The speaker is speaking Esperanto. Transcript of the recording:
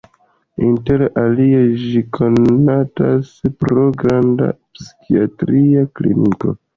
Inter alie ĝi konatas pro granda psikiatria kliniko.